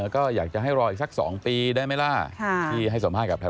ก็อยากจะให้รอสักสองปีได้ไหมล่ะ